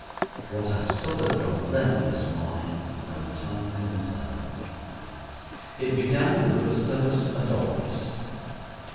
What I've suffered from them this morning no tongue can tell. It began with Gustavus Adolphus.